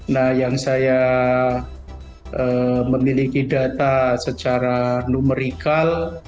nah yang saya memiliki data secara numerikal